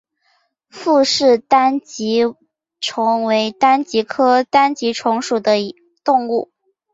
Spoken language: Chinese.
傅氏单极虫为单极科单极虫属的动物。